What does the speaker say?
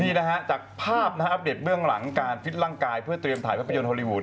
นี่นะฮะจากภาพนะฮะอัปเดตเบื้องหลังการฟิตร่างกายเพื่อเตรียมถ่ายภาพยนตฮอลลีวูด